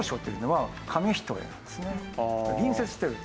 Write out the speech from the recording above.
隣接してると。